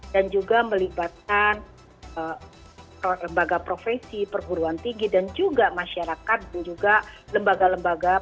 dan juga melibatkan lembaga profesi perguruan tinggi dan juga masyarakat dan juga lembaga lembaga